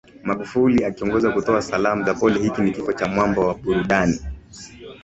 Magufuli akiongoza kutoa salamu za pole Hiki ni kifo cha mwamba wa burudani